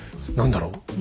何だろう